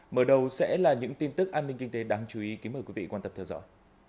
mở đầu sẽ là những tin tức an ninh kinh tế đáng chú ý kính mời quý vị quan tâm theo dõi